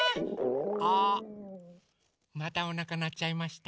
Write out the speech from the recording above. あっまたおなかなっちゃいました。